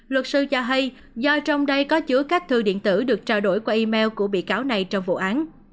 luật sư cho hay do trong đây có chứa các thư điện tử được trao đổi qua email của bị cáo này trong vụ án